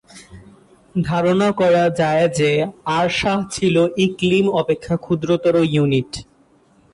ধারণা করা যায় যে, আরসাহ ছিল ইকলিম অপেক্ষা ক্ষুদ্রতর ইউনিট।